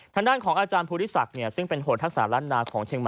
ทางด้านของอาจารย์ภูริศักดิ์ซึ่งเป็นโหดทักษะล้านนาของเชียงใหม่